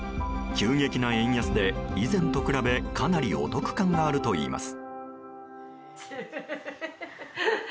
急激な円安で以前と比べかなりお得感があるといいます。